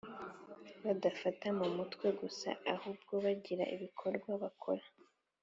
badafata mu mutwe gusa ahubwo bagira ibikorwa bakora.